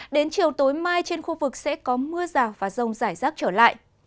đến chiều tối mai trên khu vực sẽ có mưa rào và rông rải rác trở lại